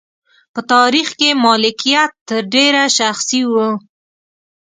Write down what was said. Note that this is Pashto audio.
په تاریخ کې مالکیت تر ډېره شخصي و.